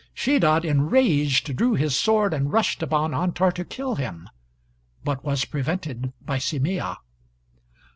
Shedad, enraged, drew his sword and rushed upon Antar to kill him, but was prevented by Semeeah.